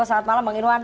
selamat malam bang irwan